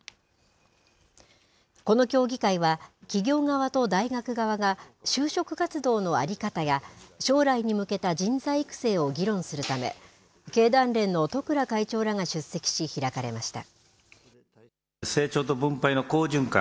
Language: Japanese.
この協議会は、企業側と大学側が、就職活動の在り方や、将来に向けた人材育成を議論するため、経団連の十倉会長らが出席し、開かれました。